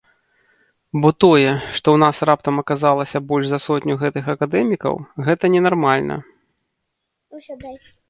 Бо тое, што ў нас раптам аказалася больш за сотню гэтых акадэмікаў, гэта ненармальна.